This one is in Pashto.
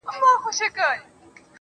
له شاتو نه، دا له شرابو نه شکَري غواړي,